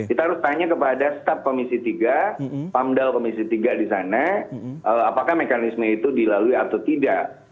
kita harus tanya kepada staf komisi tiga pamdal komisi tiga di sana apakah mekanisme itu dilalui atau tidak